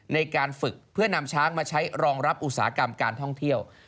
ในการฝึกเพื่อนำช้างมาใช้รองรับอุตสาหกรรมการท่องเที่ยว